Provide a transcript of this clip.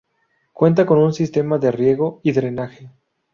Cuenta con un sistema de riego y drenaje.